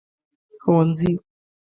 ښوونځي